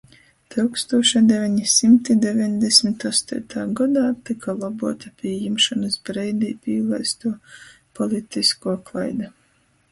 Tyukstūša deveni symti deveņdesmit ostoitā godā tyka lobuota pījimšonys breidī pīlaistuo politiskuo klaida